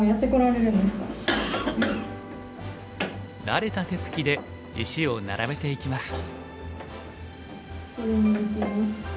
慣れた手つきで石を並べていきます。